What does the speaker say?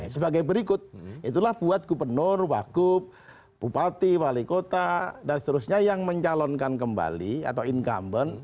sebagai berikut itulah buat gubernur wagub bupati wali kota dan seterusnya yang mencalonkan kembali atau incumbent